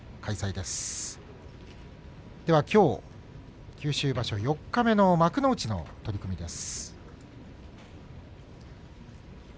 では、きょう九州場所四日目の幕内の取組です。